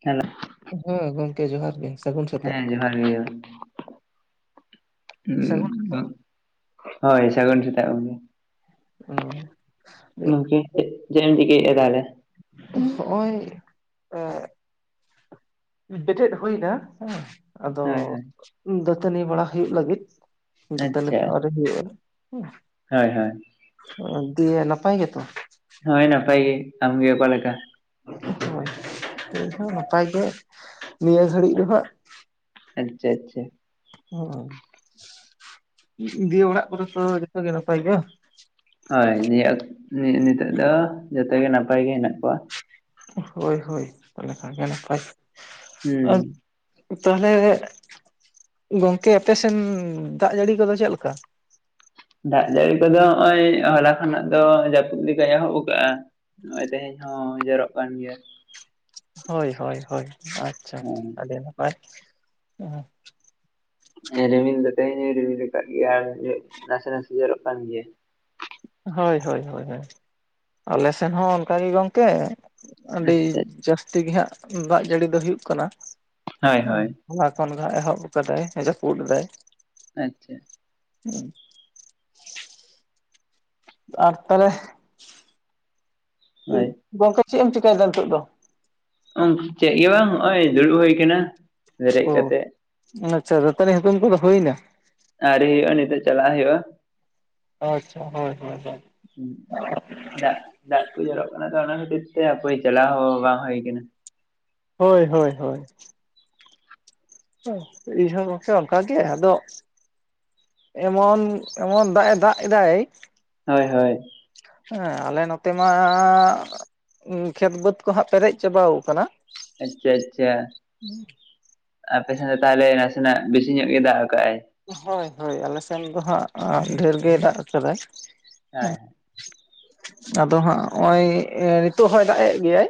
Hello ᱦᱮᱸ ᱜᱚᱢᱠᱮ ᱡᱚᱦᱟᱨ ᱜᱮ᱾ ᱥᱟᱹᱜᱩᱱ ᱥᱮᱛᱟᱜ ᱦᱮᱸ [unintelligible] ᱥᱟᱹᱜᱩᱱ ᱦᱳᱭ ᱥᱟᱹᱜᱩᱱ ᱥᱮᱛᱟᱜ ᱜᱚᱝᱠᱮ᱾ ᱟᱸ ᱱᱩᱠᱤᱱ ᱡᱮ ᱪᱮᱜ‌ ᱮᱢ ᱪᱤᱠᱟᱹᱭᱮᱜᱼᱟ ᱛᱟᱦᱞᱮ? ᱦᱚᱸᱜᱼᱚᱭ ᱮ ᱵᱮᱨᱮᱫ ᱦᱩᱭᱱᱟ ᱦᱮᱸ᱾ ᱟᱫᱚ ᱦᱳᱭ ᱦᱳᱭ ᱫᱟᱹᱛᱟᱹᱱᱤ ᱵᱟᱲᱟ ᱦᱩᱭᱩᱜ ᱞᱟᱹᱜᱤᱫ᱾ ᱫᱟᱹᱛᱟᱹᱱᱤ ᱟᱹᱣᱨᱤ ᱦᱩᱭᱩᱜᱼᱟ ᱦᱮᱸ᱾ ᱦᱚᱭ ᱦᱚᱭ᱾ ᱚ ᱫᱤᱭᱮ ᱱᱟᱯᱟᱭ ᱜᱮᱛᱚ? ᱦᱚᱭ ᱱᱟᱯᱟᱭ ᱜᱮ, ᱟᱢ ᱜᱮ ᱚᱠᱟ ᱞᱮᱠᱟ? ᱦᱚᱭ ᱤᱧ ᱦᱚᱸ ᱱᱟᱯᱟᱭ ᱜᱮ ᱱᱤᱭᱟᱹ ᱜᱷᱟᱹᱲᱤᱡ ᱫᱚ ᱦᱟᱸᱜ᱾ ᱟᱪᱪᱷᱟ ᱟᱪᱪᱷᱟ ᱚᱸ ᱫᱤᱭᱮ ᱚᱲᱟᱜ ᱠᱚᱨᱮ ᱛᱚ ᱡᱚᱛᱚ ᱜᱮ ᱱᱟᱯᱟᱭ ᱜᱮᱭᱟ? ᱦᱚᱭ ᱱᱤᱭᱟᱹ ᱚᱠ ‌ ᱱᱤ-ᱱᱤᱛᱚᱜ ᱫᱚ ᱡᱚᱛᱚ ᱜᱮ ᱱᱟᱯᱟᱭ ᱜᱮ ᱦᱮᱱᱟᱜ ᱠᱚᱣᱟ᱾ ᱦᱳᱭ ᱦᱳᱭ ᱛᱟᱦᱮ ᱞᱮᱱᱠᱷᱟᱡ ᱜᱮ ᱱᱟᱯᱟᱭ, ᱟᱼᱼ ᱦᱩᱸ ᱛᱟᱦᱞᱮ ᱜᱚᱝᱠᱮ ᱟᱯᱮ ᱥᱮᱱ ᱫᱟᱜ ᱡᱟᱹᱲᱤ ᱠᱚᱫᱚ ᱪᱮᱜ ᱞᱮᱠᱟ? ᱫᱟᱜ ᱡᱟᱹᱲᱤ ᱠᱚᱫᱚ ᱦᱚᱸᱜᱼᱚᱭ ᱦᱚᱞᱟ ᱠᱷᱚᱱᱟᱜ ᱫᱚ ᱡᱟᱯᱩᱜ ᱞᱮᱠᱟᱭ ᱮᱦᱚᱵ ᱠᱟᱜᱼᱟ᱾ ᱱᱚᱜᱼᱚᱭ ᱛᱮᱦᱮᱧ ᱦᱚᱸ ᱡᱚᱨᱚᱜ ᱠᱟᱱ ᱜᱮᱭᱟ᱾ ᱦᱚᱭ ᱦᱚᱭ ᱦᱚᱭ ᱟᱪᱪᱷᱟ ᱟᱹᱰᱤ ᱱᱟᱯᱟᱭ᱾ ᱟᱸ ᱮ ᱨᱤᱢᱤᱞ ᱫᱚ ᱛᱮᱦᱮᱧ ᱦᱚᱸᱭ ᱨᱤᱢᱤᱞ ᱠᱟᱜ ᱜᱮᱭᱟ, ᱟᱨ ᱡᱚᱜ ᱱᱟᱥᱮ ᱱᱟᱥᱮ ᱡᱚᱨᱚᱜ ᱠᱟᱱ ᱜᱮᱭᱟ᱾ ᱦᱚᱭ ᱦᱚᱭ ᱦᱚᱭ ᱦᱚᱭ ᱟᱞᱮ ᱥᱮᱱ ᱦᱚᱸ ᱚᱱᱠᱟ ᱜᱮ ᱜᱚᱝᱠᱮ᱾ ᱟᱹᱰᱤ ᱟᱪᱪᱷᱟ ᱡᱟᱹᱥᱛᱤ ᱜᱮᱦᱟᱸᱜ ᱫᱟᱜ ᱡᱟᱹᱲᱤ ᱫᱚ ᱦᱩᱭᱩᱜ ᱠᱟᱱᱟ ᱦᱳᱭ ᱦᱮᱸ᱾ ᱦᱳᱭ ᱦᱚᱞᱟ ᱠᱷᱚᱱ ᱜᱮ ᱦᱟᱸᱜ ᱮᱦᱚᱵ ᱠᱟᱫᱟᱭ ᱮ ᱡᱟᱯᱩᱫ ᱮᱫᱟᱭ᱾ ᱟᱪᱪᱷᱟ ᱦᱩᱸ ᱟᱨ ᱛᱟᱦᱞᱮ ᱦᱳᱭ ᱩᱸᱜ ᱜᱚᱝᱠᱮ ᱪᱮᱜ ᱮᱢ ᱪᱤᱠᱟᱭᱫᱟ ᱱᱤᱛᱚᱜ ᱫᱚ? ᱚᱝ ᱪᱮᱜ ᱜᱮ ᱵᱟᱝ ᱦᱚᱸᱜᱼᱚᱭ ᱫᱩᱲᱩᱵ ᱦᱩᱭ ᱠᱟᱱᱟ᱾ ᱚ ᱟᱪᱪᱷᱟ ᱫᱟᱹᱛᱟᱹᱱᱤ ᱦᱩᱛᱩᱢ ᱠᱩᱫᱚ ᱦᱩᱭᱱᱟ? ᱟᱹᱣᱨᱤ ᱦᱩᱭᱩᱜᱼᱟ, ᱱᱤᱛᱚᱜ ᱪᱟᱞᱟᱣ ᱦᱩᱭᱩᱜᱼᱟ᱾ ᱚ ᱟᱪᱪᱷᱟ ᱦᱚᱭ ᱦᱚᱭ ᱦᱳᱭ ᱫᱟᱜ ᱫᱟᱜ ᱠᱚ ᱡᱚᱨᱚᱜ ᱠᱟᱱᱟ ᱛᱚ ᱚᱱᱟ ᱠᱷᱟᱹᱛᱤᱨ ᱛᱮ ᱦᱟᱯᱟᱹᱭ ᱪᱟᱞᱟᱣ ᱦᱚᱸ ᱵᱟᱝ ᱦᱩᱭ ᱠᱟᱱᱟ᱾ ᱦᱳᱭ ᱦᱳᱭ ᱦᱳᱭ ᱤᱧ ᱦᱚᱸ ᱜᱚᱝᱠᱮ ᱚᱱᱠᱟ ᱜᱮ ᱟᱫᱚᱼᱼ ᱮᱢᱚᱱ ᱮᱢᱚᱱ ᱫᱟᱜ ᱮ ᱫᱟᱜ ᱮᱫᱟᱭ ᱦᱚᱭ ᱦᱳᱭ ᱮ ᱟᱞᱮ ᱱᱚᱛᱮ ᱢᱟ ᱩᱸ ᱠᱷᱮᱛ ᱵᱟᱹᱫᱽ ᱠᱚ ᱦᱟᱸᱜ ᱯᱮᱨᱮᱡ ᱪᱟᱵᱟᱣ ᱠᱟᱱᱟ᱾ ᱟᱪᱪᱷᱟ ᱟᱪᱪᱷᱟ ᱟᱯᱮ ᱥᱮᱱ ᱫᱚ ᱛᱟᱦᱞᱮ ᱱᱟᱥᱮ ᱱᱟᱜ ᱵᱤᱥᱤ ᱧᱚᱜ ᱜᱮ ᱫᱟᱜ ᱠᱟᱜᱼᱟᱭ᱾ ᱦᱚᱭ ᱦᱚᱭ ᱟᱞᱮ ᱥᱮᱱ ᱫᱚ ᱦᱟᱸᱜ ᱟᱸ ᱰᱷᱮᱨ ᱜᱮᱭ ᱫᱟᱜ ᱠᱟᱫᱟᱭ᱾ ᱦᱮᱸ ᱟᱫᱚ ᱦᱟᱸᱜ ᱦᱚᱸᱜᱼᱚᱭ ᱮ ᱱᱤᱛᱳᱜ ᱦᱚᱸᱭ ᱫᱟᱜ ᱮᱫ ᱜᱮᱭᱟᱭ᱾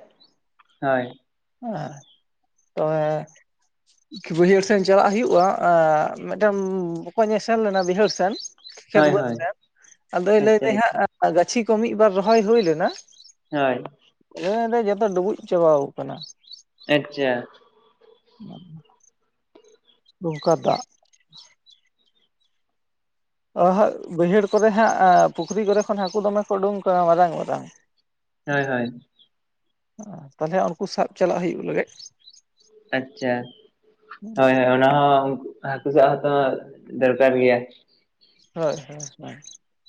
ᱦᱚᱭ ᱮᱸ ᱛᱚᱶᱮ ᱠᱤ ᱵᱟᱹᱭᱦᱟᱹᱲ ᱥᱮᱱ ᱪᱟᱞᱟᱜ ᱦᱩᱭᱩᱜᱼᱟ ᱮᱸ ᱢᱤᱫᱴᱮᱱ ᱵᱚᱠᱚᱧ ᱮ ᱥᱮᱱ ᱞᱮᱱᱟ ᱵᱟᱹᱭᱦᱟᱹᱲ ᱥᱮᱱ᱾ ᱠᱷᱮᱛ ᱦᱳᱭ ᱵᱟᱹᱫᱽ ᱦᱳᱭ ᱥᱮᱱ ᱟᱫᱚᱭ ᱞᱟᱹᱭ ᱟᱪᱪᱷᱟ ᱫᱟᱭ ᱦᱟᱸᱜ ᱜᱟᱹᱪᱷᱤ ᱠᱚ ᱢᱤᱫ ᱵᱟᱨ ᱨᱚᱦᱚᱭ ᱦᱩᱭ ᱞᱮᱱᱟ᱾ ᱦᱚᱭ ᱟᱫᱚ ᱞᱟᱹᱭ ᱫᱟᱭ ᱡᱚᱛᱚ ᱰᱩᱵᱩᱡ ᱪᱟᱵᱟᱣ ᱠᱟᱱᱟ᱾ ᱮᱪᱪᱟ ᱚᱱᱟ ᱫᱚ ᱱᱚᱝᱠᱟ ᱫᱟᱜ ᱚ ᱦᱟᱸᱜ ᱵᱟᱹᱭᱦᱟᱹᱲ ᱠᱚᱨᱮ ᱦᱟᱸᱜ ᱮ ᱯᱩᱠᱷᱨᱤ ᱠᱚᱨᱮ ᱠᱷᱚᱱ ᱦᱟᱠᱩ ᱫᱚᱢᱮ ᱠᱚ ᱩᱰᱩᱝ ᱠᱟᱱᱟ ᱢᱟᱨᱟᱝ ᱢᱟᱨᱟᱝ᱾ ᱦᱳᱭ ᱦᱳᱭ ᱩᱸ ᱮᱸ ᱛᱟᱞᱦᱮ ᱩᱱᱠᱩ ᱥᱟᱵ ᱪᱟᱞᱟᱜ ᱦᱩᱭᱩᱜ ᱞᱟᱹᱜᱤᱫ᱾ ᱟᱪᱪᱟ ᱦᱚᱭ ᱦᱚᱭ ᱚᱱᱟ ᱦᱚᱸ ᱩᱝᱠᱩ ᱦᱟᱹᱠᱩ ᱥᱟᱵ ᱦᱚᱸᱛᱚ ᱫᱚᱨᱠᱟᱨ ᱜᱮᱭᱟ᱾ ᱦᱳᱭ ᱦᱚᱭ ᱦᱚᱭ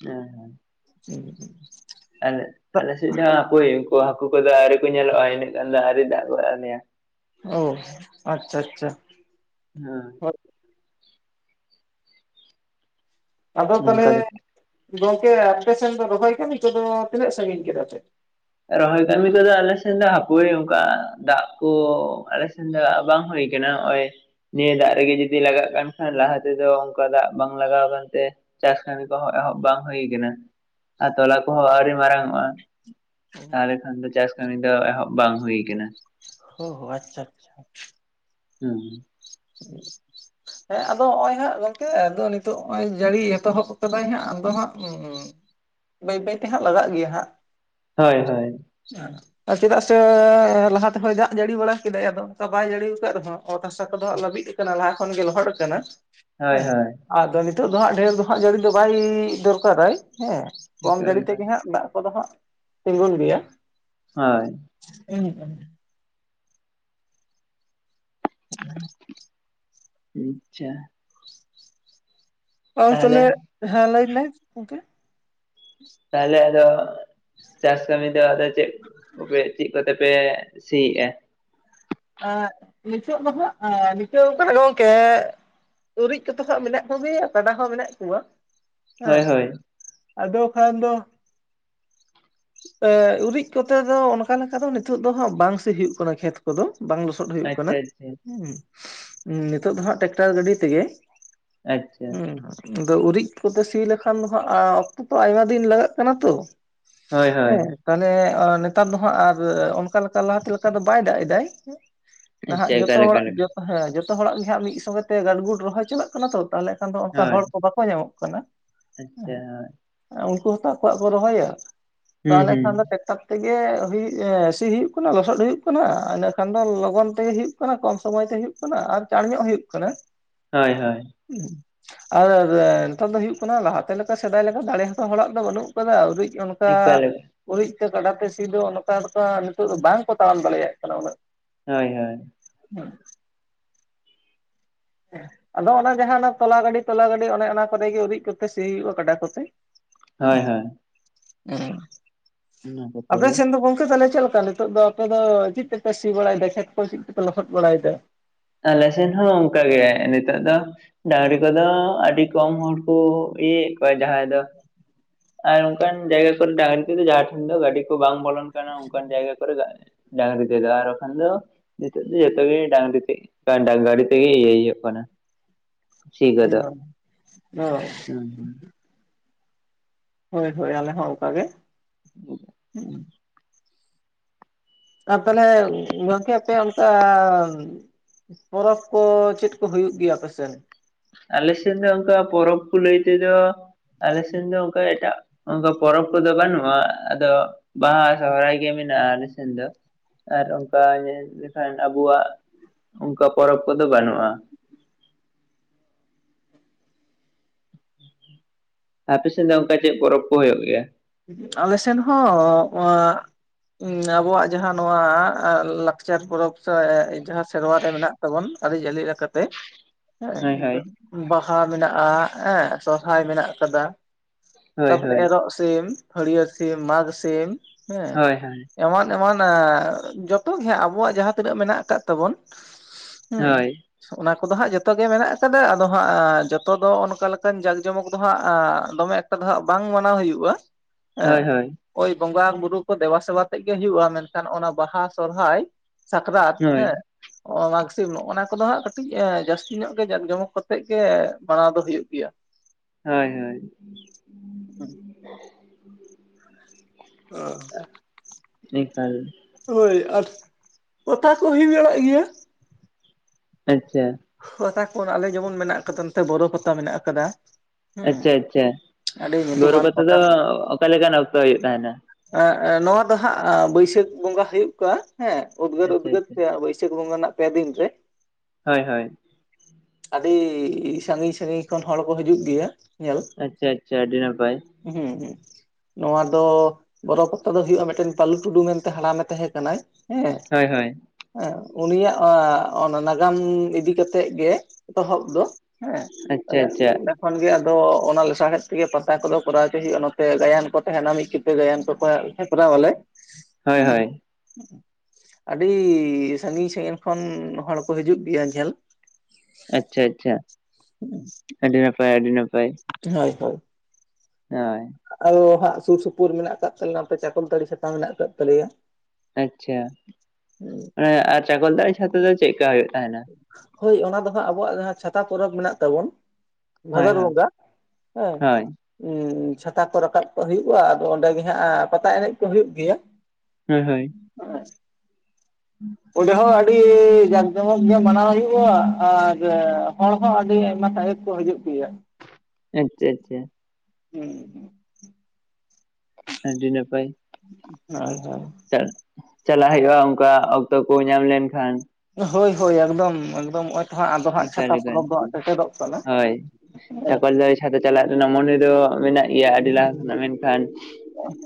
ᱮ ᱦᱮᱸ ᱩᱸ ᱟᱞᱮ, ᱟᱞᱮ ᱥᱮᱫ ᱫᱚ ᱦᱟᱯᱚᱭ, ᱩᱱᱠᱩ ᱦᱟᱹᱠᱩ ᱠᱚᱫᱚ ᱟᱹᱶᱨᱤ ᱠᱚ, ᱧᱮᱞᱚᱜᱼᱟ ᱾ ᱤᱱᱟᱹᱜ ᱜᱷᱟᱱ ᱫᱚ, ᱟᱹᱣᱨᱤ ᱫᱟᱜ ᱜᱚᱫ ᱟᱞᱮᱭᱟ ᱾ ᱚᱼᱦ, ᱟᱪᱪᱷᱟ ᱟᱪᱪᱷᱟ ᱾ ᱦᱮᱸᱻ ᱾ ᱟᱫᱚ ᱱᱚᱝᱠᱟ ᱛᱟᱦᱚᱞᱮ, ᱞᱮᱠᱟ ᱜᱚᱝᱠᱮ ᱟᱯᱮ ᱥᱮᱱ ᱫᱚ, ᱨᱚᱦᱚᱭ ᱠᱟᱹᱢᱤ ᱠᱚᱫᱚ, ᱛᱤᱱᱟᱹᱜ ᱥᱟᱺᱜᱤᱧ ᱠᱮᱫᱟ ᱯᱮ? ᱨᱚᱦᱚᱭ ᱠᱟᱹᱢᱤ ᱠᱚᱫᱚ, ᱟᱞᱮ ᱥᱮᱱ ᱫᱚ, ᱦᱟᱯᱚᱭ ᱚᱱᱠᱟ ᱫᱟᱜ ᱠᱚ, ᱟᱞᱮ ᱥᱮᱱ ᱫᱟᱜ ᱵᱟᱝ ᱦᱩᱭ ᱟᱠᱟᱱᱟ ᱾ ᱠᱮ, ᱱᱚᱜ ᱚᱭ ᱱᱤᱭᱟᱹ ᱫᱟᱜ ᱨᱮᱜᱮ, ᱡᱩᱫᱤ ᱞᱟᱜᱟᱜ ᱠᱟᱱ ᱠᱷᱟᱱ, ᱞᱟᱦᱟ ᱛᱮᱫᱚ ᱚᱱᱠᱟ, ᱫᱟᱜ ᱵᱟᱝ ᱞᱟᱜᱟᱣ ᱟᱠᱟᱱᱛᱮ ᱪᱟᱥ ᱠᱟᱹᱢᱤ ᱠᱚᱦᱚ, ᱸ ᱮᱦᱚᱵ ᱵᱟᱝ ᱦᱩᱭ ᱟᱠᱟᱱᱟ ᱾ ᱟᱨ ᱛᱚᱞᱟ ᱠᱚᱦᱚᱸ ᱟᱹᱣᱨᱤ ᱢᱟᱨᱟᱝ ᱚᱜᱼᱟ ᱾ ᱛᱟᱦᱚᱞᱮ ᱠᱷᱟᱱ ᱫᱚ, ᱪᱟᱥ ᱠᱟᱹᱢᱤ ᱫᱚ, ᱮᱦᱚᱵ ᱵᱟᱝ ᱦᱩᱭ ᱟᱠᱟᱱᱟ ᱾ ᱦᱚ ᱦᱚ, ᱟᱪᱪᱷᱟ, ᱟᱪᱪᱷᱟ ᱾ ᱦᱩᱸᱻᱝ. ᱾ ᱦᱮᱸ [unintelligible] ᱦᱮᱸᱻ, ᱟᱫᱚ, ᱱᱚᱜᱼᱚᱭ ᱦᱟᱸᱜ ᱜᱚᱝᱠᱮ, ᱟᱫᱚ, ᱱᱤᱛᱚᱜ ᱱᱚᱜᱼᱚᱭ ᱡᱟᱹᱲᱤ ᱮᱛᱚᱦᱚᱵ ᱟᱠᱟᱫᱟᱭ ᱦᱟᱸᱜ, ᱟᱫᱚ ᱦᱟᱸᱜ ᱵᱟᱹᱭ ᱵᱟᱹᱭᱛᱮ ᱦᱟᱸᱜ, ᱞᱟᱜᱟᱜ ᱜᱮᱭᱟ ᱦᱟᱸᱜ ᱾ ᱦᱳᱭ, ᱦᱳᱭ ᱾ ᱪᱟᱲ [unintelligible] ᱪᱮᱫᱟᱜ ᱥᱮᱻ, ᱞᱟᱦᱟ ᱛᱮᱦᱚᱸᱭ ᱫᱟᱜ ᱡᱟᱹᱲᱤ ᱵᱟᱲᱟ ᱠᱮᱫᱟᱭ, ᱟᱫᱚ ᱵᱟᱭ ᱡᱟᱹᱲᱤ ᱟᱠᱟᱫ ᱨᱮᱦᱚᱸ, ᱚᱛ ᱦᱟᱥᱟ ᱠᱚᱫᱚ, ᱦᱟᱸᱜ ᱞᱟᱹᱵᱤᱫ ᱟᱠᱟᱱᱟ ᱾ ᱞᱟᱦᱟ ᱠᱷᱚᱱ ᱜᱮ, ᱞᱚᱦᱚᱫ ᱟᱠᱟᱱᱟ, ᱦᱳᱭ ᱦᱮᱸ ᱦᱳᱭ ᱾ ᱟᱫᱚ, ᱱᱤᱛᱚᱜ ᱫᱚ ᱦᱟᱸᱜ, ᱰᱷᱮᱨ ᱫᱚ ᱦᱟᱸᱜ, ᱡᱟᱹᱲᱤ ᱫᱚ ᱵᱟᱭᱻᱤᱻ ᱫᱚᱨᱠᱟᱨᱟᱭ, ᱦᱮᱸ ᱾ ᱠᱚᱢ ᱮᱠᱟᱞ ᱡᱟᱹᱲᱤ ᱮᱠᱟᱞ ᱛᱮᱜᱮ ᱦᱟᱸᱜ, ᱫᱟᱜ ᱠᱚᱫᱚ ᱦᱟᱸᱜ, ᱛᱤᱸᱜᱩᱱ ᱜᱮᱭᱟ ᱾ ᱦᱳᱭ ᱾ [inaudible] ᱪᱮᱜ ᱟᱤᱻᱪᱪᱷᱟ ᱾ ᱟᱹᱣ ᱛᱟᱦᱚᱞᱮ ᱛᱚᱞᱮ, ᱦᱮᱸ! ᱞᱟᱹᱭ ᱢᱮ ᱜᱚᱢᱠᱮ ᱾ ᱛᱟᱦᱞᱮ ᱟᱫᱚ ᱪᱟᱥ ᱠᱟᱹᱢᱤ ᱫᱚ, ᱟᱫᱚ ᱪᱮᱫ, ᱪᱮᱫ ᱠᱚᱛᱮ ᱯᱮ, ᱥᱤᱭᱮᱫᱼᱟ ᱾ ᱱᱤᱛᱚᱜ ᱫᱚ ᱦᱟᱸᱜ, ᱟᱸᱻ, ᱱᱤᱛᱚᱶ ᱟᱠᱟᱱᱟ ᱜᱚᱢᱠᱮ ᱾ ᱩᱨᱤᱡ ᱠᱚᱫᱚ ᱦᱟᱸᱜ, ᱢᱮᱱᱟᱜ ᱠᱚᱜᱮᱭᱟ ᱾ ᱠᱟᱰᱟ ᱦᱚᱸ ᱢᱮᱱᱟᱜ ᱠᱚᱣᱟ, ᱦᱳᱭ ᱦᱮᱸ ᱦᱳᱭ ᱾ ᱟᱫᱚ, ᱠᱷᱟᱱ ᱫᱚ ᱮ ᱩᱨᱤᱡ ᱠᱚᱛᱮ ᱫᱚ, ᱚᱱᱠᱟ ᱞᱮᱠᱟ ᱫᱚ, ᱱᱤᱛᱚᱜ ᱫᱚ ᱦᱟᱸᱜ, ᱵᱟᱝ ᱥᱤ ᱦᱩᱭᱩᱜ ᱠᱟᱱᱟ, ᱠᱷᱮᱛ ᱠᱚᱫᱚ ᱵᱟᱝ ᱞᱚᱥᱚᱫ ᱦᱩᱭᱩᱜ ᱠᱟᱱᱟ, ᱟᱪᱪᱷᱟ ᱟᱪᱪᱷᱟ ᱩᱸᱭ ᱦᱩᱼᱥ-ᱨᱸ, ᱱᱤᱛᱚᱜ ᱫᱚ ᱦᱟᱸᱜ, ᱴᱨᱟᱠᱴᱟᱨ ᱜᱟᱹᱰᱤ ᱛᱮᱜᱮ ᱮᱸᱼ ᱱᱷᱟᱜ ᱾ ᱟᱫᱚ, ᱩᱨᱤᱡ ᱠᱚᱛᱮ, ᱥᱤ ᱞᱮᱠᱷᱟᱱ ᱫᱚ, ᱚᱠᱛᱚ ᱛᱚ ᱟᱭᱢᱟ ᱫᱤᱱ, ᱞᱟᱜᱟᱜ ᱠᱟᱱᱟ ᱛᱚ ᱾ ᱦᱮᱸ, ᱛᱟᱦᱚᱞᱮ ᱱᱮᱛᱟᱨ ᱫᱚ ᱦᱟᱸᱜ, ᱟᱨ ᱚᱱᱠᱟ ᱞᱮᱠᱟ ᱞᱟᱦᱟᱛᱮ, ᱞᱮᱠᱟ ᱫᱚ ᱵᱟᱭ ᱫᱟᱜ ᱮᱫᱟᱭ ᱾ ᱪᱮᱫ? ᱱᱟᱦᱟᱜ ᱡᱚᱛᱚ ᱦᱚᱲᱟᱜ ᱡᱚᱛ ᱦᱮᱸ ᱡᱚᱛᱚ ᱦᱚᱲᱟᱜ ᱜᱮ ᱦᱟᱸᱜ ᱢᱤᱫ ᱦᱮᱸ, ᱦᱮᱸ, ᱡᱚᱛᱚ ᱦᱚᱲᱟᱜ ᱜᱮ ᱦᱟᱸᱜ, ᱢᱤᱫ ᱥᱚᱸᱜᱮ ᱛᱮ, ᱜᱟᱰᱜᱩᱰ ᱨᱚᱦᱚᱭ ᱪᱟᱞᱟᱜ ᱠᱟᱱᱟ ᱛᱚ, ᱛᱟᱦᱚᱞᱮ ᱠᱷᱟᱱ ᱫᱚ, ᱚᱱᱠᱟ ᱦᱚᱲ ᱠᱚ, ᱵᱟᱠᱚ ᱧᱟᱢᱚᱜ ᱠᱟᱱᱟ ᱾ ᱟᱪᱪᱷᱟ, ᱦᱚᱭ ᱾ ᱩᱱᱠᱩ ᱦᱚᱸᱛᱚ, ᱟᱠᱚᱣᱟᱜ ᱠᱚ, ᱨᱚᱦᱚᱭᱟ ᱾ ᱛᱟᱦᱚᱞᱮ ᱠᱷᱟᱱ ᱫᱚ ᱴᱟᱠ ᱛᱮᱜᱮ, ᱦᱩᱭᱩ ᱥᱤ ᱦᱩᱭᱩᱜ ᱠᱟᱱᱟ, ᱞᱚᱥᱚᱫ ᱦᱩᱭᱩᱜ ᱠᱟᱱᱟ ᱾ ᱠᱷᱟᱱ ᱫᱚ, ᱞᱚᱜᱚᱱ ᱛᱮᱜᱮ ᱦᱩᱭᱩᱜ ᱠᱟᱱᱟ, ᱠᱚᱢ ᱥᱚᱢᱚᱭ ᱛᱮ ᱦᱩᱭᱩᱜ ᱠᱟᱱᱟ ᱾ ᱟᱨ ᱪᱟᱲ ᱧᱚᱜ ᱦᱩᱭᱩᱜ ᱠᱟᱱᱟ ᱾ ᱦᱳᱭ ᱦᱳᱭ ᱾ ᱩᱸᱲ ᱟᱼᱨᱮᱨᱮ, ᱱᱮᱛᱟᱝ ᱫᱚ ᱦᱩᱭᱩᱜ ᱠᱟᱱᱟ, ᱞᱟᱦᱟᱛᱮ ᱞᱮᱠᱟ, ᱥᱮᱫᱟᱭ ᱞᱮᱠᱟ, ᱫᱟᱲᱮ ᱦᱚᱸᱛᱚ, ᱦᱚᱲᱟᱜ ᱫᱚ ᱵᱟᱹᱱᱩᱜ ᱾ ᱚᱠᱟ ᱨᱮ ᱟᱹᱣᱩᱨᱤᱡ ᱚᱱᱠᱟ ᱮᱠᱟᱞ ᱦᱳᱭ ᱩᱨᱤᱡᱛᱮ, ᱠᱟᱰᱟᱛᱮ, ᱥᱤ ᱫᱚ, ᱱᱚᱝᱠᱟ, ᱱᱚᱝᱠᱟ ᱱᱤᱛᱚᱜ ᱫᱚ, ᱵᱟᱝ ᱠᱚ, ᱛᱟᱲᱟᱢ ᱫᱟᱲᱮᱭᱟᱜ ᱠᱟᱱᱟ, ᱩᱱᱟᱹᱜ ᱾ ᱦᱳᱭ ᱦᱳᱭ ᱾ ᱚᱸ ᱟᱫᱚ ᱚᱱᱟ ᱡᱟᱦᱟᱸ ᱚᱱᱟ ᱛᱚᱞᱟ ᱜᱟᱹᱰᱤ ᱛᱚᱞᱟ ᱜᱟᱹᱰᱤ ᱚᱱᱮ ᱚᱱᱟ ᱠᱚᱨᱮ ᱜᱮ ᱩᱨᱤᱡ ᱠᱚᱛᱮ ᱥᱤ ᱦᱩᱭᱩᱜᱼᱟ ᱠᱟᱰᱟ ᱠᱚᱛᱮ᱾ ᱦᱳᱭ ᱦᱳᱭ ᱦᱮᱸ ᱚᱱᱟ ᱠᱚᱛᱮ ᱟᱯᱮ ᱜᱮ ᱥᱮᱱ ᱫᱚ ᱜᱚᱝᱠᱮ ᱛᱟᱞᱮ ᱪᱮᱜ ᱞᱮᱠᱟ? ᱛᱚᱜ ᱫᱚ ᱟᱯᱮ ᱫᱚ ᱪᱮᱜ ᱛᱮᱯᱮ ᱥᱤ ᱵᱟᱲᱟᱭᱫᱟ ᱠᱷᱮᱛ ᱠᱚ ᱪᱮᱜ ᱛᱮᱯᱮ ᱞᱚᱥᱚᱫ ᱵᱟᱲᱟᱭᱫᱟ? ᱟᱞᱮ ᱥᱮᱱ ᱦᱚᱸ ᱚᱱᱠᱟᱜᱮ ᱱᱤᱛᱚᱜ ᱫᱚ ᱰᱟᱹᱝᱨᱤ ᱠᱚᱫᱚ ᱟᱹᱰᱤ ᱠᱚᱢ ᱦᱚᱲ ᱠᱚ ᱤᱭᱟᱹᱭᱮᱜ ᱠᱚᱣᱟ ᱡᱟᱦᱟᱸᱭ ᱫᱚ ᱟᱨ ᱚᱝᱠᱟᱱ ᱡᱟᱭᱜᱟ ᱠᱚᱨᱮ ᱰᱟᱝᱨᱤ ᱠᱚᱫᱚ ᱡᱟᱦᱟᱸ ᱴᱷᱮᱱ ᱫᱚ ᱜᱟᱹᱰᱤ ᱠᱚ ᱵᱟᱝ ᱵᱚᱞᱚᱱ ᱠᱟᱱᱟ ᱚᱝᱠᱟᱱ ᱡᱟᱭᱜᱟ ᱠᱚᱨᱮ ᱫᱟᱜ ᱰᱟᱝᱨᱤ ᱛᱮᱫᱚ ᱟᱨ ᱵᱟᱠᱷᱟᱱ ᱫᱚ ᱱᱤᱛᱚᱜ ᱫᱚ ᱡᱚᱛᱚᱜ ᱜᱮ ᱰᱟᱝᱨᱤ ᱛᱮ ᱰᱟᱝ ᱜᱟᱰᱤ ᱛᱮᱜᱮ ᱤᱭᱟᱹᱭ ᱦᱩᱭᱩᱜ ᱠᱟᱱᱟ᱾ ᱥᱤ ᱠᱚᱫᱚ ᱚ ᱩᱸᱦᱩ ᱦᱳᱭ ᱦᱳᱭ ᱟᱞᱮ ᱦᱚᱸ ᱚᱝᱠᱟ ᱜᱮ ᱦᱩᱸ᱾ ᱟᱨ ᱛᱟᱦᱞᱮ ᱜᱚᱝᱠᱮ ᱟᱯᱮᱭᱟᱜ ᱚᱝᱠᱟ ᱯᱚᱨᱚᱵᱽ ᱠᱚ ᱪᱮᱫ ᱠᱚ ᱦᱩᱭᱩᱜ ᱜᱮᱭᱟ ᱟᱯᱮ ᱥᱮᱫ? ᱟᱞᱮ ᱥᱮᱱ ᱫᱚ ᱚᱝᱠᱟ ᱯᱚᱨᱚᱵᱽ ᱠᱚ ᱞᱟᱹᱭ ᱛᱮᱫᱚ ᱟᱞᱮ ᱥᱮᱱ ᱫᱚ ᱚᱝᱠᱟ ᱮᱴᱟᱜ ᱚᱝᱠᱟ ᱯᱚᱨᱚᱵᱽ ᱠᱚᱫᱚ ᱵᱟᱹᱱᱩᱜᱼᱟ ᱟᱫᱚ ᱵᱟᱦᱟ, ᱥᱚᱦᱨᱟᱭ ᱜᱮ ᱢᱮᱱᱟᱜᱼᱟ ᱟᱞᱮ ᱥᱮᱱ ᱫᱚ᱾ ᱟᱨ ᱚᱝᱠᱟ ᱧᱮᱞ ᱞᱮᱠᱷᱟᱱ ᱟᱵᱚᱣᱟᱜ ᱚᱝᱠᱟ ᱯᱚᱨᱚᱵᱽ ᱠᱚᱫᱚ ᱵᱟᱹᱱᱩᱜᱼᱟ᱾ ᱟᱯᱮ ᱥᱮᱱ ᱫᱚ ᱚᱝᱠᱟ ᱪᱮᱜ ᱯᱚᱨᱚᱵᱽ ᱠᱚ ᱦᱩᱭᱩᱜ ᱜᱮᱭᱟ? ᱟᱞᱮ ᱥᱮᱱ ᱦᱚᱸ ᱚᱸ ᱩᱸ ᱟᱵᱚᱣᱟᱜ ᱡᱟᱦᱟᱸ ᱱᱚᱣᱟ ᱮᱸ ᱞᱟᱠᱪᱟᱨ ᱯᱚᱨᱚᱵᱽ ᱥᱮ ᱡᱟᱦᱟᱸ ᱥᱮᱨᱣᱟ ᱨᱮ ᱢᱮᱱᱟᱜ ᱛᱟᱵᱚᱱ ᱟᱹᱨᱤ ᱪᱟᱹᱞᱤ ᱞᱮᱠᱟᱛᱮ᱾ ᱦᱮᱸ ᱦᱳᱭ ᱮᱱᱛᱮ ᱦᱳᱭ ᱵᱟᱦᱟ ᱢᱮᱱᱟᱜᱼᱟ ᱮᱸ ᱥᱚᱦᱨᱟᱭ ᱢᱮᱱᱟᱜ ᱠᱟᱫᱟ᱾ ᱦᱳᱭ ᱛᱟᱯᱚᱨᱮ ᱦᱳᱭ ᱮᱨᱚᱜ ᱥᱤᱢ, ᱦᱟᱹᱲᱭᱟᱹᱲ ᱥᱤᱢ, ᱢᱟᱜᱽ ᱥᱤᱢ ᱦᱮᱸ᱾ ᱦᱳᱭ ᱦᱳᱭ ᱮᱢᱟᱱ ᱮᱢᱟᱱᱮᱟ ᱡᱚᱛᱚ ᱜᱮ ᱦᱟᱸᱜ ᱟᱵᱚᱣᱟᱜ ᱡᱟᱦᱟ ᱛᱤᱱᱟᱹᱜ ᱢᱮᱱᱟᱜ ᱠᱟᱜ ᱛᱟᱵᱚᱱ ᱦᱩᱸ ᱦᱳᱭ ᱚᱱᱟ ᱠᱚᱫᱚ ᱦᱟᱸᱜ ᱡᱚᱛᱚ ᱜᱮ ᱢᱮᱱᱟᱜ ᱟᱠᱟᱫᱟ ᱟᱫᱚ ᱦᱟᱸᱜ ᱡᱚᱛᱚ ᱫᱚ ᱚᱱᱠᱟ ᱞᱮᱠᱟᱱ ᱡᱟᱸᱠ ᱡᱚᱢᱚᱠ ᱫᱚ ᱦᱟᱸᱜ ᱫᱚᱢᱮ ᱠᱟ ᱫᱚᱦᱟᱜ ᱵᱟᱝ ᱢᱟᱱᱟᱣ ᱦᱩᱭᱩᱜᱼᱟ᱾ ᱮᱸ ᱦᱳᱭ ᱦᱳᱭ ᱳᱭ ᱵᱚᱸᱜᱟ ᱵᱩᱨᱩ ᱠᱚ ᱫᱮᱵᱟ ᱥᱮᱵᱟ ᱛᱮᱜ ᱜᱮ ᱦᱩᱭᱩᱜᱼᱟ, ᱢᱮᱱᱠᱷᱟᱱ ᱚᱱᱟ ᱵᱟᱦᱟ, ᱥᱚᱨᱦᱟᱭ ᱥᱟᱠᱨᱟᱛ ᱦᱳᱭ ᱦᱮᱸ ᱚᱸ ᱢᱟᱜᱽ ᱥᱤᱢ ᱱᱚᱜᱼᱚᱱᱟ ᱠᱚᱫᱚ ᱦᱟᱸᱜ ᱠᱟᱹᱴᱤᱡᱽ ᱮᱸ ᱡᱟᱹᱥᱛᱤ ᱧᱚᱜ ᱜᱮ ᱡᱟᱠ ᱡᱚᱢᱚᱠ ᱛᱮᱜ ᱜᱮ ᱢᱟᱱᱟᱣ ᱫᱚ ᱦᱩᱭᱩᱜ ᱜᱮᱭᱟ᱾ ᱦᱳᱭ ᱦᱳᱭ ᱦᱩᱸ ᱚᱸ ᱮᱠᱟᱞ ᱦᱳᱭ ᱟᱨ ᱚᱛᱟ ᱠᱩ ᱦᱩᱭ ᱵᱮᱲᱟᱜ ᱜᱮᱭᱟ? ᱟᱪᱪᱷᱟ ᱦᱚ ᱛᱟ ᱠᱷᱚᱱ ᱟᱞᱮ ᱡᱮᱢᱚᱱ ᱢᱮᱱᱟᱜ ᱠᱟᱫᱟ ᱱᱚᱛᱮ ᱵᱚᱨᱚ ᱯᱟᱛᱟ ᱢᱮᱱᱟᱜ ᱠᱟᱫᱟ᱾ ᱟᱪᱪᱷᱟ ᱟᱪᱪᱷᱟ ᱜᱳᱨᱳ ᱯᱟᱛᱟ ᱫᱚ ᱚᱠᱟ ᱞᱮᱠᱟᱱ ᱚᱠᱛᱚ ᱦᱩᱭᱩᱜ ᱛᱟᱦᱮᱱᱟ? ᱮᱸ ᱮᱸ ᱱᱚᱣᱟ ᱫᱚ ᱦᱟᱸᱜ ᱵᱟᱹᱭᱥᱟᱹᱠᱷ ᱵᱚᱸᱜᱟ ᱦᱩᱭᱩᱜ ᱠᱟ ᱦᱮᱸ᱾ ᱩᱫᱽᱜᱟᱹᱨ ᱟᱪᱪᱷᱟ ᱩᱫᱽᱜᱟᱹᱨ ᱟᱪᱪᱷᱟ ᱛᱮᱭᱟᱜ ᱵᱟᱹᱭᱥᱟᱹᱠᱷ ᱵᱚᱸᱜᱟ ᱨᱮᱱᱟᱜ ᱯᱮ ᱫᱤᱱ ᱨᱮ᱾ ᱦᱳᱭ ᱦᱳᱭ ᱟᱹᱰᱤ ᱥᱟᱺᱜᱤᱧ ᱥᱟᱺᱜᱤᱧ ᱠᱷᱚᱱ ᱦᱚᱲ ᱠᱚ ᱦᱤᱡᱩᱜ ᱜᱮᱭᱟ ᱧᱮᱞ᱾ ᱟᱪᱪᱷᱟ ᱟᱪᱪᱷᱟ ᱟᱹᱰᱤ ᱱᱟᱯᱟᱭ᱾ ᱦᱩᱸ ᱦᱩᱸ ᱱᱚᱣᱟ ᱫᱚ ᱵᱚᱨᱚ ᱯᱟᱛᱟ ᱫᱚ ᱦᱩᱭᱩᱜᱼᱟ ᱢᱤᱫᱴᱮᱱ ᱯᱟᱞᱩ ᱴᱩᱰᱩ ᱢᱮᱱᱛᱮ ᱦᱟᱲᱟᱢᱮ ᱛᱟᱦᱮᱸ ᱠᱟᱱᱟᱭ ᱦᱮᱸ᱾ ᱦᱳᱭ ᱦᱳᱭ ᱮᱸ ᱩᱱᱤᱭᱟᱜ ᱟᱸ ᱚᱱᱟ ᱱᱟᱜᱟᱢ ᱤᱫᱤ ᱠᱟᱛᱮᱜ ᱜᱮ ᱮᱛᱚᱦᱚᱵ ᱫᱚ᱾ ᱦᱮᱸ ᱟᱪᱪᱷᱟ ᱛᱟᱦᱞᱮ ᱟᱪᱪᱷᱟ ᱚᱸᱰᱮ ᱠᱷᱚᱱ ᱜᱮ ᱟᱫᱚ ᱚᱱᱟ ᱞᱮᱥᱟᱲᱦᱮᱫ ᱛᱮᱜᱮ ᱯᱟᱛᱟ ᱠᱚᱫᱚ ᱠᱚᱨᱟᱣ ᱪᱚᱭ ᱦᱩᱭᱩᱜᱼᱟ ᱱᱚᱛᱮ ᱜᱟᱭᱟᱱ ᱠᱚ ᱛᱟᱦᱮᱱᱟ ᱢᱤᱫ ᱠᱤᱛᱟᱹ ᱜᱟᱭᱟᱱ ᱠᱚᱠᱚ ᱦᱮ ᱠᱚᱨᱟᱣ ᱟᱞᱮ ᱦᱳᱭ ᱩᱸ ᱦᱳᱭ ᱟᱹᱰᱤ ᱥᱟᱺᱜᱤᱧ ᱥᱟᱺᱜᱤᱧ ᱠᱷᱚᱱ ᱦᱚᱲ ᱠᱚ ᱦᱤᱡᱩᱜ ᱜᱮᱭᱟ ᱡᱷᱮᱞ ᱟᱪᱪᱷᱟ ᱟᱪᱪᱷᱟ ᱦᱩᱸ ᱟᱹᱰᱤ ᱱᱟᱯᱟᱭ ᱟᱹᱰᱤ ᱱᱟᱯᱟᱭ ᱦᱳᱭ ᱦᱳᱭ ᱦᱳᱭ ᱟᱨᱳ ᱦᱟᱸᱜ ᱥᱩᱨ ᱥᱩᱯᱩᱨ ᱢᱮᱱᱟᱜ ᱟᱠᱟᱫ ᱛᱟᱞᱮᱭᱟ ᱚᱱᱛᱮ ᱪᱟᱠᱚᱞᱛᱟᱹᱲᱤ ᱪᱷᱟᱛᱟ ᱢᱮᱱᱟᱜ ᱟᱠᱟᱫ ᱛᱟᱞᱮᱭᱟ᱾ ᱟᱪᱪᱷᱟ ᱟᱨ ᱪᱟᱠᱚᱞ ᱛᱟᱲᱤ ᱪᱷᱟᱛᱟ ᱫᱚ ᱪᱮᱫᱞᱮᱠᱟ ᱦᱩᱭᱩᱜ ᱛᱟᱦᱮᱱᱟ᱾ ᱦᱳᱭ ᱚᱱᱟ ᱫᱚ ᱦᱟᱸᱜ ᱟᱵᱚᱣᱟᱜ ᱡᱟᱦᱟᱸ ᱪᱷᱟᱛᱟ ᱯᱚᱨᱚᱵᱽ ᱢᱮᱱᱟᱜ ᱛᱟᱵᱩᱱ ᱦᱳᱭ ᱵᱷᱟᱫᱚᱨ ᱦᱳᱭ ᱵᱚᱸᱜᱟ ᱦᱮᱸ ᱦᱳᱭ ᱩ ᱪᱷᱟᱛᱟ ᱠᱚ ᱨᱟᱠᱟᱵ ᱠᱚᱟᱜ ᱦᱩᱭᱩᱜᱼᱟ ᱟᱫᱚ ᱚᱸᱰᱮ ᱜᱮ ᱦᱟᱸᱜ ᱯᱟᱛᱟ ᱮᱱᱮᱡ ᱠᱚ ᱦᱩᱭᱩᱜ ᱜᱮᱭᱟ᱾ ᱦᱳᱭ ᱦᱳᱭ [inaudible] ᱚᱰᱮ ᱦᱚᱸ ᱟᱹᱰᱤ ᱡᱟᱠ ᱡᱚᱢᱚᱠ ᱜᱮ ᱢᱟᱱᱟᱣ ᱦᱩᱭᱩᱜᱼᱟ ᱟᱨ ᱦᱚᱲ ᱦᱚᱸ ᱟᱹᱰᱤ ᱟᱭᱢᱟ ᱥᱟᱸᱜᱮ ᱠᱚ ᱦᱤᱡᱩᱜ ᱯᱮᱭᱟ᱾ ᱟᱪᱪᱷᱟ ᱟᱪᱪᱷᱟ ᱦᱩᱸ ᱦᱩᱸ ᱟᱹᱰᱤ ᱱᱟᱯᱟᱭ [unintelligible] ᱪᱟ ᱪᱟᱞᱟᱜ ᱦᱩᱭᱩᱜᱼᱟ ᱚᱱᱠᱟ ᱚᱠᱛᱚ ᱠᱚ ᱧᱟᱢ ᱞᱮᱱᱠᱷᱟᱱ ᱦᱳᱭ ᱦᱳᱭ ᱮᱠᱫᱚᱢ ᱮᱠᱫᱚᱢ ᱱᱚᱜᱼᱚᱭ ᱛᱚ ᱦᱟᱸᱜ ᱟᱫᱚ ᱦᱟᱸᱜ ᱮᱠᱟᱞ ᱪᱷᱟᱛᱟ ᱮᱠᱟᱞ ᱯᱚᱨᱚᱵᱽ ᱫᱚ ᱦᱟ ᱥᱮᱴᱮᱨᱚᱜ ᱠᱟᱱᱟ᱾ ᱪᱟᱠᱚᱞ ᱛᱟᱞᱤ ᱪᱷᱟᱛᱟ ᱪᱟᱞᱟᱜ ᱨᱮᱱᱟᱜ ᱢᱚᱱᱮ ᱫᱚ ᱢᱮᱱᱟᱜ ᱜᱮᱭᱟ ᱟᱹᱰᱤ ᱞᱟᱦᱟ ᱠᱷᱚᱱᱟᱜ ᱢᱮᱱᱠᱷᱟᱱ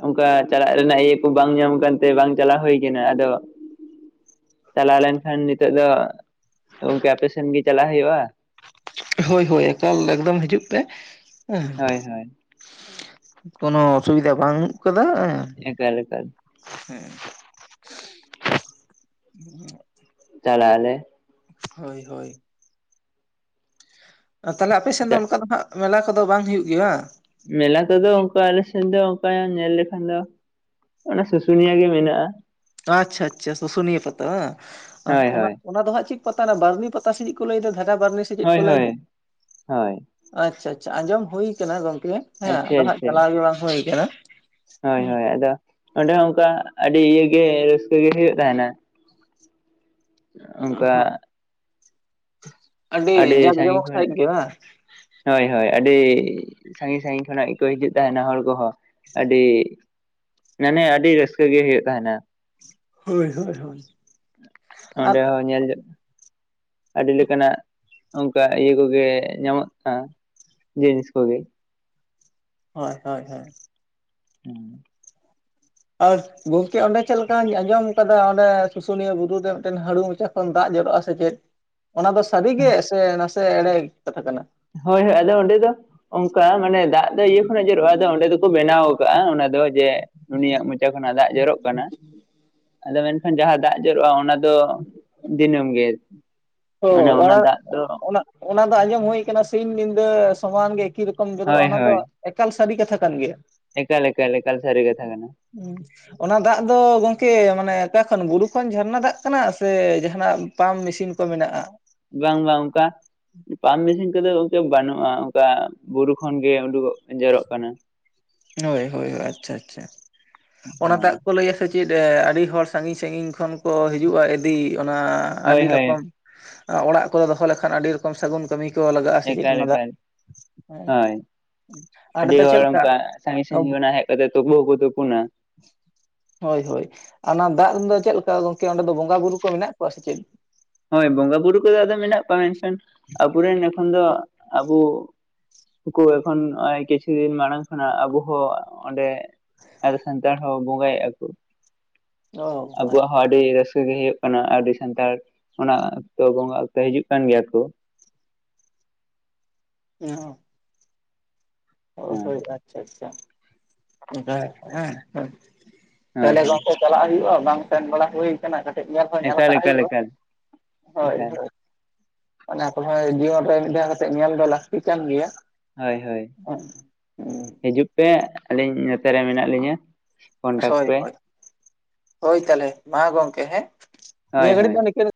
ᱚᱱᱠᱟ ᱪᱟᱞᱟᱜ ᱨᱮᱱᱟᱜ ᱤᱭᱟᱹ ᱠᱚ ᱵᱟᱝ ᱧᱟᱢ ᱠᱟᱱᱛᱮ ᱵᱟᱝ ᱪᱟᱞᱟᱣ ᱦᱩᱭ ᱠᱟᱱᱟ ᱟᱫᱚ ᱪᱟᱞᱟᱣ ᱞᱮᱱᱠᱷᱟᱱ ᱱᱤᱛᱳᱜ ᱫᱚ ᱜᱚᱝᱠᱮ ᱟᱯᱮᱥᱮᱱ ᱜᱮ ᱪᱟᱞᱟᱜ ᱦᱩᱭᱩᱜᱼᱟ᱾ ᱦᱳᱭ ᱦᱳᱭ ᱮᱠᱟᱞ ᱮᱠᱫᱚᱢ ᱦᱤᱡᱩᱜ ᱯᱮ ᱦᱮᱸ ᱦᱳᱭ ᱦᱳᱭ ᱠᱚᱱᱚ ᱚᱥᱩᱵᱤᱫᱷᱟ ᱵᱟᱹᱱᱩᱜ ᱠᱟᱫᱟ ᱮᱸ ᱮᱠᱟᱞ ᱮᱠᱟᱞ [unintelligible] ᱪᱟᱞᱟᱜ ᱟᱞᱮ ᱦᱳᱭ ᱦᱳᱭ ᱛᱟᱦᱚᱞᱮ ᱟᱯᱮᱥᱮᱱ ᱪᱟ ᱫᱚ ᱚᱱᱠᱟ ᱫᱚ ᱦᱟᱸᱜ ᱢᱮᱞᱟ ᱠᱚᱫᱚ ᱵᱟᱝ ᱦᱩᱭᱩᱜ ᱜᱮᱭᱟ ᱵᱟᱝ? ᱢᱮᱞᱟ ᱠᱚᱫᱚ ᱚᱱᱠᱟ ᱟᱞᱮ ᱥᱮᱱ ᱫᱚ ᱚᱱᱠᱟ ᱧᱮᱞ ᱞᱮᱠᱷᱟᱱ ᱫᱚ ᱚᱱᱟ ᱥᱩᱥᱩᱱᱤᱭᱟᱹ ᱜᱮ ᱢᱮᱱᱟᱜᱼᱟ᱾ ᱟᱪᱪᱷᱟ ᱟᱪᱪᱷᱟ ᱥᱩ ᱥᱩᱱᱤᱭᱟᱹ ᱯᱟᱛᱟ ᱵᱟᱝ ᱦᱳᱭ ᱚᱱᱟ ᱦᱳᱭ ᱚᱱᱟ ᱫᱚ ᱦᱟᱸᱜ ᱪᱮᱫ ᱯᱟᱛᱟ ᱠᱟᱱᱟ ᱵᱟᱨᱱᱤ ᱯᱟᱛᱟ ᱥᱮ ᱪᱮᱫ ᱠᱚ ᱞᱟᱹᱭᱫᱟ ᱫᱷᱟᱜᱟ ᱵᱟᱨᱱᱤ ᱥᱮ ᱪᱮᱫ ᱦᱳᱭ ᱠᱚ ᱦᱳᱭ ᱞᱟᱹᱭᱫᱟ? ᱦᱳᱭ ᱟᱪᱪᱷᱟ ᱟᱪᱪᱷᱟ ᱟᱸᱡᱚᱢ ᱦᱩᱭ ᱜᱚᱝᱠᱮ ᱦᱮᱸ ᱟᱪᱪᱷᱟ ᱟᱫᱚ ᱦᱟᱸᱜ ᱟᱪᱪᱷᱟ ᱪᱟᱞᱟᱣ ᱜᱮ ᱵᱟᱝ ᱦᱩᱭ ᱟᱠᱟᱱᱟ᱾ ᱦᱳᱭ ᱦᱳᱭ ᱟᱫᱚ ᱚᱸᱰᱮ ᱦᱚᱸ ᱚᱱᱠᱟ ᱟᱹᱰᱤ ᱤᱭᱟᱹ ᱜᱮ ᱨᱟᱹᱥᱠᱟᱹ ᱜᱮ ᱦᱩᱭᱩᱜ ᱛᱟᱦᱮᱱᱟ᱾ ᱚᱱᱠᱟ ᱟᱹᱰᱤ ᱥᱟᱺᱜᱤᱧ ᱡᱟᱠᱡᱚᱢᱚᱠ ᱠᱷᱚᱱ ᱥᱟᱹᱦᱤᱡ ᱜᱮ ᱵᱟᱝ᱾ ᱦᱳᱭ ᱦᱳᱭ ᱟᱹᱰᱤ ᱥᱟᱺᱜᱤᱧ ᱥᱟᱺᱜᱤᱧ ᱠᱷᱚᱱᱟᱜ ᱜᱮ ᱠᱚ ᱦᱤᱡᱩᱜ ᱛᱟᱦᱮᱱᱟ ᱦᱚᱲ ᱠᱚᱦᱚᱸ᱾ ᱟᱹᱰᱤ ᱢᱟᱱᱮ ᱟᱹᱰᱤ ᱨᱟᱹᱥᱠᱟᱹ ᱜᱮ ᱦᱩᱭᱩᱜ ᱛᱟᱦᱮᱱᱟ᱾ ᱦᱳᱭ ᱦᱳᱭ ᱦᱳᱭ ᱟᱨ ᱚᱸᱰᱮ ᱦᱚᱸ ᱧᱮᱞ ᱟᱹᱰᱤ ᱞᱮᱠᱟᱱᱟᱜ ᱚᱱᱠᱟ ᱤᱭᱟᱹ ᱠᱚᱜᱮ ᱧᱟᱢᱚᱜᱼᱟ ᱡᱤᱱᱤᱥ ᱠᱚᱜᱮ ᱦᱳᱭ ᱦᱳᱭ ᱦᱳᱭ ᱦᱩᱸ ᱟᱨ ᱜᱚᱢᱠᱮ ᱚᱸᱰᱮ ᱪᱮᱫ ᱞᱮᱠᱟᱧ ᱟᱸᱡᱚᱢ ᱟᱠᱟᱫᱟ ᱚᱸᱰᱮ ᱥᱩᱥᱩᱱᱤᱭᱟᱹ ᱵᱩᱨᱩ ᱨᱮ ᱢᱤᱫᱴᱮᱱ ᱦᱟᱹᱲᱩ ᱢᱚᱪᱟ ᱠᱷᱚᱱ ᱫᱟᱜ ᱡᱚᱨᱚᱜᱼᱟ ᱥᱮ ᱪᱮᱫ ᱚᱱᱟ ᱫᱚ ᱥᱟᱹᱨᱤ ᱜᱮ ᱥᱮ ᱱᱟᱥᱮ ᱮᱲᱮ ᱠᱟᱛᱷᱟ ᱠᱟᱱᱟ᱾ ᱦᱳᱭ ᱦᱳᱭ ᱟᱫᱚ ᱚᱸᱰᱮ ᱫᱚ ᱚᱱᱠᱟ ᱢᱟᱱᱮ ᱫᱟᱜ ᱫᱚ ᱤᱭᱟᱹ ᱠᱷᱚᱱ ᱡᱮᱨᱚᱜᱼᱟ ᱟᱫᱚ ᱚᱸᱰᱮ ᱫᱚᱠᱚ ᱵᱮᱱᱟᱣ ᱠᱟᱜᱼᱟ ᱚᱱᱟ ᱫᱚ ᱡᱮ ᱩᱱᱤᱭᱟᱜ ᱢᱚᱪᱟ ᱠᱷᱚᱱᱟᱜ ᱫᱟᱜ ᱡᱚᱨᱚᱜ ᱠᱟᱱᱟ᱾ ᱟᱫᱚ ᱢᱮᱱᱠᱷᱟᱱ ᱡᱟᱦᱟᱸ ᱫᱟᱜ ᱡᱚᱨᱚᱜᱼᱟ ᱚᱱᱟ ᱫᱚ ᱫᱤᱱᱟᱹᱢ ᱜᱮ ᱟᱨᱠᱤ ᱚ ᱚᱱᱟ ᱚᱱᱟ ᱚᱱᱟ ᱫᱚ ᱟᱸᱡᱚᱢ ᱦᱩᱭ ᱟᱠᱟᱱᱟ ᱥᱤᱧ ᱧᱤᱫᱟᱹ ᱥᱚᱢᱟᱱ ᱜᱮ ᱮᱠᱤ ᱨᱚᱠᱚᱢ ᱡᱚᱨᱚᱜᱼᱟ ᱦᱳᱭ ᱚᱱᱟ ᱫᱚ ᱦᱳᱭ ᱮᱠᱟᱞ ᱥᱟᱹᱨᱤ ᱠᱟᱛᱷᱟ ᱠᱟᱱ ᱜᱮᱭᱟ᱾ ᱮᱠᱟᱞ ᱮᱠᱟᱞ ᱮᱠᱟᱞ ᱥᱟᱹᱨᱤ ᱠᱟᱛᱷᱟ ᱠᱟᱱᱟ᱾ [unintelligible] ᱚᱱᱟ ᱫᱟᱜ ᱫᱚ ᱜᱚᱝᱠᱮ ᱢᱟᱱᱮ ᱚᱠᱟ ᱠᱷᱚᱱ ᱵᱩᱨᱩ ᱠᱷᱚᱱ ᱡᱷᱟᱨᱱᱟ ᱫᱟᱜ ᱠᱟᱱᱟ ᱥᱮ ᱡᱟᱦᱟᱸᱱᱟᱜ ᱯᱟᱢᱯ ᱢᱮᱥᱤᱱ ᱠᱚ ᱢᱮᱱᱟᱜᱼᱟ᱾ ᱵᱟᱝ ᱵᱟᱝ ᱚᱱᱠᱟ ᱯᱟᱢᱯ ᱢᱮᱥᱤᱱ ᱠᱚᱫᱚ ᱜᱚᱝᱠᱮ ᱵᱟᱹᱱᱩᱜᱼᱟ ᱚᱱᱠᱟ ᱵᱩᱨᱩ ᱠᱷᱚᱱᱜᱮ ᱩᱰᱩᱜᱚᱜ ᱦᱳᱭ ᱦᱳᱭ ᱟᱪᱪᱷᱟ ᱟᱪᱪᱷᱟ ᱚᱱᱟ ᱫᱟᱜ ᱦᱳᱭ ᱠᱚ ᱞᱟᱹᱭᱟ ᱥᱮ ᱪᱮᱫ ᱟᱹᱰᱤ ᱦᱚᱲ ᱥᱟᱺᱜᱤᱧ ᱥᱟᱺᱜᱤᱧ ᱠᱷᱚᱱ ᱠᱚ ᱦᱤᱡᱩᱜᱼᱟ ᱤᱫᱤ ᱚᱱᱟ ᱦᱳᱭ ᱟᱹᱰᱤ ᱦᱳᱭ ᱨᱚᱠᱚᱢ ᱚᱲᱟᱜ ᱠᱚᱨᱮ ᱫᱚᱦᱚ ᱞᱮᱠᱷᱟᱱ ᱟᱹᱰᱤ ᱨᱚᱠᱚᱢ ᱥᱟᱹᱜᱩᱱ ᱠᱟᱹᱢᱤ ᱠᱚ ᱞᱟᱜᱟᱜᱼᱟ ᱥᱮ ᱪᱮᱫ ᱮᱠᱟᱞ ᱚᱱᱟ ᱫᱟᱜ ᱮᱠᱟᱞ ᱦᱮᱸ ᱦᱳᱭ ᱟᱨ ᱟᱹᱰᱤ ᱱᱚᱛᱮ ᱪᱮᱫ ᱦᱚᱲ ᱞᱮᱠᱟ ᱚᱱᱠᱟ ᱥᱟᱺᱜᱤᱧ ᱥᱟᱺᱜᱤᱧ ᱠᱷᱚᱱ ᱦᱮᱡ ᱠᱟᱛᱮᱜ ᱛᱩᱯᱩ ᱦᱚᱸᱠᱚ ᱛᱩᱯᱩᱱᱟ᱾ ᱦᱳᱭ ᱦᱳᱭ ᱚᱱᱟ ᱫᱟᱜ ᱨᱮᱱ ᱫᱚ ᱪᱮᱫᱞᱮᱠᱟ ᱜᱚᱝᱠᱮ ᱚᱸᱰᱮ ᱫᱚ ᱵᱚᱸᱜᱟ ᱵᱩᱨᱩ ᱠᱚ ᱢᱮᱱᱟᱜ ᱠᱚᱣᱟ ᱥᱮ ᱪᱮᱫ? ᱦᱚᱭ ᱵᱚᱸᱜᱟ ᱵᱩᱨᱩ ᱠᱚᱫᱚ ᱟᱫᱚ ᱢᱮᱱᱟᱜ ᱠᱚᱣᱟ ᱢᱮᱱᱠᱷᱟᱱ ᱟᱵᱚᱨᱮᱱ ᱮᱠᱷᱟᱱ ᱫᱚ ᱟᱵᱚ ᱱᱩᱠᱩ ᱮᱠᱷᱚᱱ ᱱᱚᱜ ᱠᱤᱪᱷᱩ ᱫᱤᱱ ᱢᱟᱲᱟᱝ ᱠᱷᱚᱱᱟᱜ ᱟᱵᱚ ᱦᱚᱸ ᱚᱸᱰᱮ ᱟᱫᱚ ᱥᱟᱱᱛᱟᱲ ᱦᱚᱸ ᱵᱚᱸᱜᱟᱭᱮᱫᱼᱟ ᱠᱚ ᱚ ᱟᱵᱚᱣᱟᱜ ᱟᱪᱪᱷᱟ ᱦᱚᱸ ᱟᱹᱰᱤ ᱨᱟᱹᱥᱠᱟᱹ ᱜᱮ ᱦᱩᱭᱩᱜ ᱠᱟᱱᱟ ᱟᱹᱰᱤ ᱥᱟᱱᱛᱟᱲ ᱚᱱᱟ ᱚᱠᱛᱚ ᱵᱚᱸᱜᱟ ᱚᱠᱛᱚ ᱦᱤᱡᱩᱜ ᱠᱟᱱ ᱜᱮᱭᱟ ᱠᱚ ᱦᱚᱸ ᱚ ᱦᱳᱭ ᱦᱚᱭ ᱟᱪᱪᱷᱟ ᱼ ᱟᱪᱪᱷᱟ ᱦᱮᱸ ᱦᱳᱭ ᱛᱟᱦᱚᱞᱮ ᱦᱳᱭ ᱜᱚᱝᱠᱮ ᱪᱟᱞᱟᱜ ᱦᱩᱭᱩᱜᱼᱟ ᱵᱟᱝ ᱥᱮᱱ ᱵᱟᱲᱟ ᱦᱩᱭ ᱟᱠᱟᱱᱟ ᱠᱟᱹᱴᱤᱡ ᱧᱮᱞ ᱦᱚᱸ ᱧᱮᱞ ᱮᱠᱟᱞ ᱠᱟᱜ ᱮᱠᱟᱞ ᱦᱩᱭᱩᱜᱼᱟ ᱮᱠᱟᱞ ᱦᱳᱭ ᱮᱠᱟᱞ ᱦᱳᱭ ᱚᱱᱟ ᱠᱚᱦᱚᱸᱭ ᱡᱤᱭᱚᱱ ᱨᱮ ᱢᱤᱫ ᱫᱷᱟᱣ ᱠᱟᱛᱮ ᱧᱮᱞ ᱫᱚ ᱞᱟᱹᱠᱛᱤ ᱠᱟᱱ ᱜᱮᱭᱟ᱾ ᱦᱳᱭ ᱦᱳᱭ ᱦᱤᱡᱩᱜ ᱯᱮ ᱟᱹᱞᱤᱧ ᱱᱚᱛᱮ ᱨᱮ ᱢᱮᱱᱟᱜ ᱞᱤᱧᱟᱹ᱾ ᱠᱚᱱᱴᱟᱠᱴ ᱦᱳᱭ ᱯᱮ ᱦᱳᱭ ᱦᱳᱭ ᱛᱟᱦᱚᱞᱮ ᱢᱟ ᱜᱚᱢᱠᱮ ᱦᱮᱸ ᱦᱳᱭ ᱱᱤᱭᱟᱹ ᱜᱷᱟᱹᱲᱤᱡ ᱦᱳᱭ ᱫᱚ ᱱᱤᱠᱟ